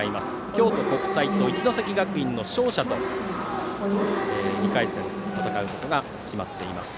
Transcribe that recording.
京都国際と一関学院の勝者と２回戦で戦うことが決まっています。